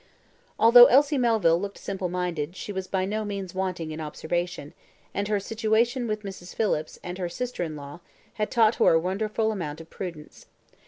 Although Elsie Melville looked simple minded, she was by no means wanting in observation, and her situation with Mrs. Phillips and her sister in law had taught her a wonderful amount of prudence.